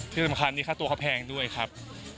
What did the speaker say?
ที่สำคัญนี้ค่าตัวเขาแพงด้วยครับ